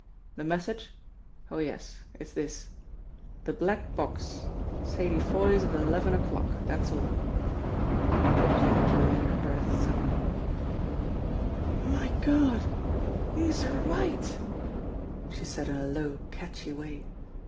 The message ? Oh, yes ! It's this : The black box. Sadie Foy's at eleven o'clock. That's all." She drew in her breath suddenly. "My Gawd, youse're white!" she said in a low, catchy way.